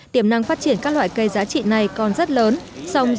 tiềm năng phát triển các loại cây giá trị này còn rất lớn